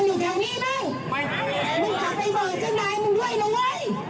มึงอย่าให้กูเจอที่ไหนนะ